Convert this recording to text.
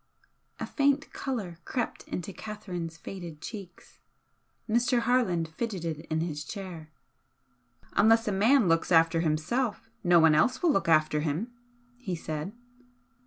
A faint colour crept into Catherine's faded cheeks. Mr. Harland fidgeted in his chair. "Unless a man looks after himself, no one else will look after him" he said.